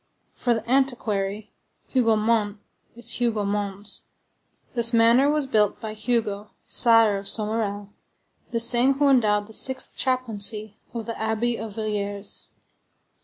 For the antiquary, Hougomont is Hugomons. This manor was built by Hugo, Sire of Somerel, the same who endowed the sixth chaplaincy of the Abbey of Villiers.